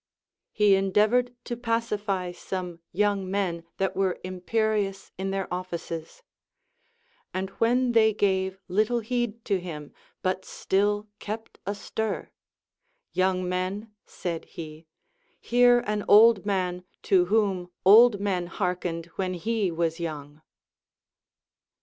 He endeavored to pacify some young men that were imperious in their offices ; and when they gave little heed to him, but still kept a stir, Young men, said he, hear an old man to whom old men hearkened when he was young.